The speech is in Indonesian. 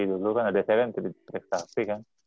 dulu kan ada tujuh tiga trisakti kan